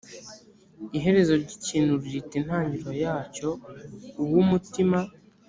iherezo ry ikintu riruta intangiro yacyo uw umutima